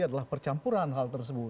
adalah percampuran hal tersebut